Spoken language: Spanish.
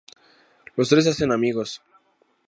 Los tres se hacen amigos.